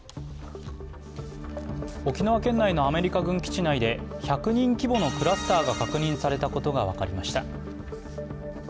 沖縄県内のアメリカ軍基地内で１００人規模のクラスターが確認されたことが分かりました。